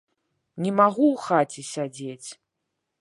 Не магу ў хаце сядзець.